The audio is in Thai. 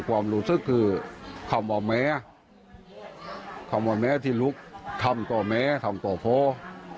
ความรู้สึกคือคำว่าแม่คำว่าแม่ที่ลุกทำต่อแม่ทำต่อพ่อ